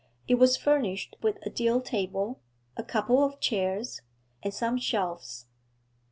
It was furnished with a deal table, a couple of chairs, and some shelves.